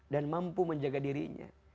dan mampu menjaga dirinya